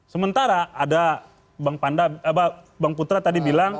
sementara ada bang putra tadi bilang